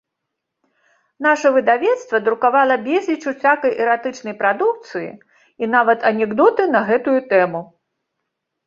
Наша выдавецтва друкавала безліч усякай эратычнай прадукцыі і нават анекдоты на гэтую тэму.